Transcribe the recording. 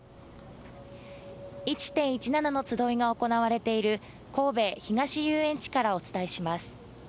１・１７のつどいが行われている神戸東遊園地からお伝えします